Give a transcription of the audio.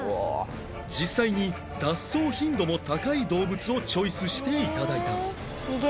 実際に脱走頻度も高い動物をチョイスして頂いた